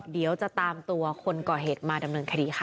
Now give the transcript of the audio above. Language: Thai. เดี๋ยวจะตามตัวคนก่อเหตุมาดำเนินคดีค่ะ